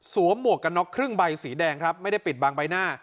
หมวกกันน็อกครึ่งใบสีแดงครับไม่ได้ปิดบางใบหน้า